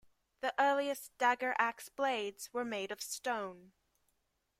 The earliest dagger-axe blades were made of stone.